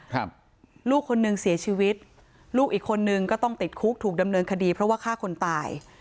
ครับลูกคนหนึ่งเสียชีวิตลูกอีกคนนึงก็ต้องติดคุกถูกดำเนินคดีเพราะว่าฆ่าคนตาย